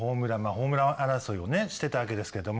ホームラン王争いをねしてたわけですけども。